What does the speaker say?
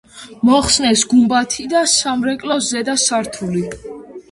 მოხსნეს გუმბათი და სამრეკლოს ზედა სართული.